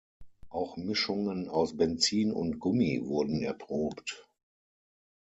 Auch Mischungen aus Benzin und Gummi wurden erprobt.